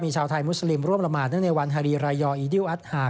ชาวไทยมุสลิมร่วมละหมาดเนื่องในวันฮารีรายยอีดิวอัตฮาร์